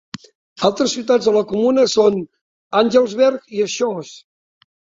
Altres ciutats de la comuna són Angelsberg i Schoos.